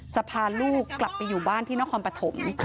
จะพาลูกกลับไปอยู่บ้านที่นครปฐม